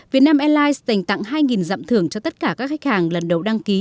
vietnam airlines tành tặng hai dặm thưởng cho tất cả các khách hàng lần đầu đăng ký